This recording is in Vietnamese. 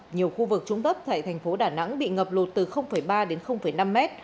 nhiều khu vực trung tấp tại thành phố đà nẵng bị ngập lột từ ba đến năm m